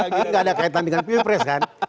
ini tidak ada kaitan dengan pipi pres kan